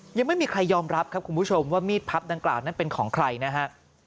ยังไม่มีใครยอมรับครับคุณผู้ชมว่ามีดพับดังกล่าวนั้นเป็นของใครนะฮะ